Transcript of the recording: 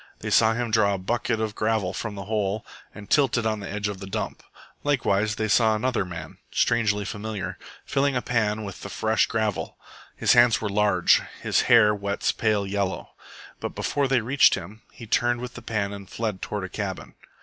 They saw him draw a bucket of gravel from the hole and tilt it on the edge of the dump. Likewise they saw another, man, strangely familiar, filling a pan with the fresh gravel. His hands were large; his hair wets pale yellow. But before they reached him, he turned with the pan and fled toward a cabin.